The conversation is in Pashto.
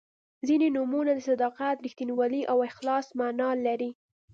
•ځینې نومونه د صداقت، رښتینولۍ او اخلاص معنا لري.